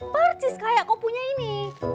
percis kayak kopunya ini